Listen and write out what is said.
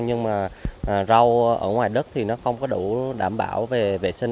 nhưng mà rau ở ngoài đất thì nó không có đủ đảm bảo về vệ sinh